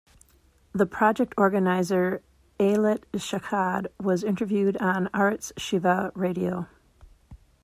The project organiser, Ayelet Shaked was interviewed on Arutz Sheva Radio.